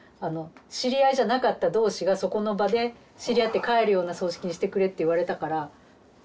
知り合いじゃなかった同士がそこの場で知り合って帰るような葬式にしてくれって言われたからなんかそれに徹してた感じです。